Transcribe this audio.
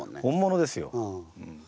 本物ですよ。